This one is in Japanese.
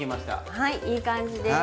はいいい感じです。